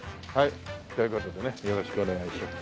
という事でねよろしくお願いします。